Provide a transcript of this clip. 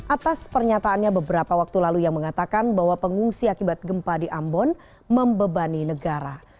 atas pernyataannya beberapa waktu lalu yang mengatakan bahwa pengungsi akibat gempa di ambon membebani negara